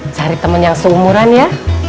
cari teman yang seumuran ya